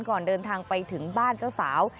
ก่อนเดินทางไปถึงบ้านเจ้าสาว